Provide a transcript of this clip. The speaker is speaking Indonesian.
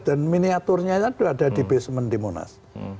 dan miniaturnya itu ada di basement di monas